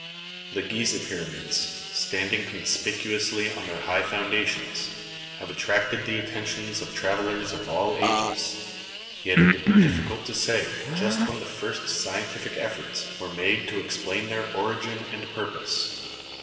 The Gizeh pyramids, standing conspic uously on their high foundations, have attracted the attention of travellers of all ages, yet it would be difficult to say just when the first scientific efforts were made to explain their origin and pur pose.